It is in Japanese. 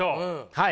はい。